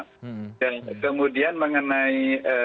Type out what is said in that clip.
dan kemudian mengenai